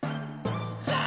さあ